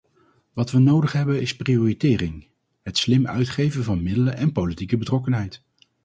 Wat we nodig hebben is prioritering, het slim uitgeven van middelen en politieke betrokkenheid.